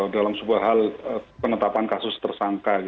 dalam sebuah hal penetapan kasus tersangka